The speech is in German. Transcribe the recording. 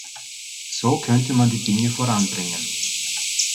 So könnte man die Dinge voranbringen.